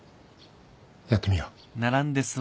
やってみよう。